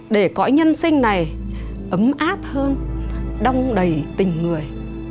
để cõi nhân sinh này ấm áp hơn đông đầy tình người